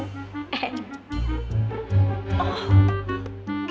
oh gitu doang